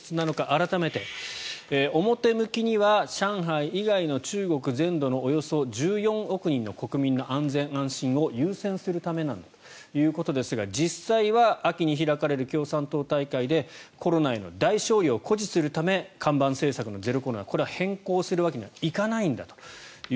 改めて表向きには上海以外の中国全土のおよそ１４億人の国民の安全安心を優先するためなんだということですが実際は秋に開かれる共産党大会でコロナへの大勝利を誇示するため看板政策のゼロコロナをやるわけにはいかないんだと。